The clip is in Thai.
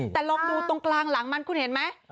แต่ลองดูตรงกลางหลังมันคุณเห็นไหม